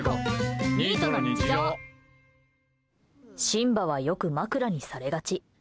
シンバはよく枕にされがち。